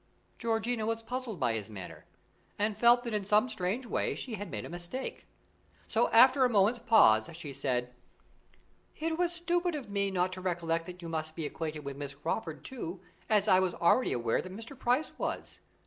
Georgiana was puzzled by his manner, and felt that in some strange way she had made a mistake; so after a moment's pause she said: "It was stupid of me not to recollect that you must be acquainted with Miss Crawford too, as I was already aware that Mr. Price was.